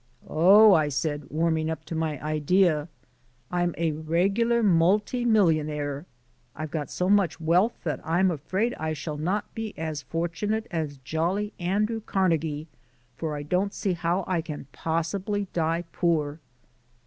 "Oh," I said, warming up to my idea, "I'm a regular multimillionaire. I've got so much wealth that I'm afraid I shall not be as fortunate as jolly Andy Carnegie, for I don't see how I can possibly die poor!"